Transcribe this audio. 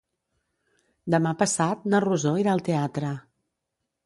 Demà passat na Rosó irà al teatre.